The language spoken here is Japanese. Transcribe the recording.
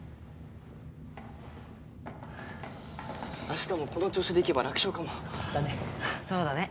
明日もこの調子でいけば楽勝かも。だね。